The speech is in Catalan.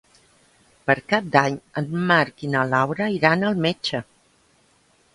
Per Cap d'Any en Marc i na Laura iran al metge.